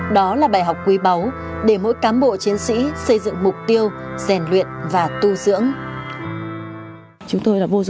đó là bài học quý báu để mỗi cán bộ chiến sĩ xây dựng mục tiêu rèn luyện và tu dưỡng